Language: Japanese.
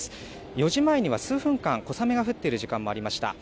４時前には数分間、小雨が降っている時間もありました。